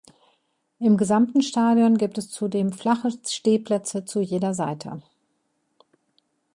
Im gesamten Stadion gibt es zudem flache Stehplätze zu jeder Seite.